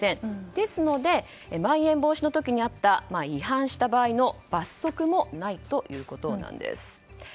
ですのでまん延防止の時にあった違反した場合の罰則もないということなんです。